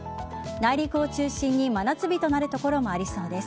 内陸を中心に真夏日となる所もありそうです。